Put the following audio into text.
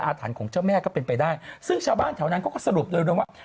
ถันของเจ้าแม่ก็เป็นไปได้ซึ่งชาวบ้านแถวนั้นเขาก็สรุปโดยรวมว่า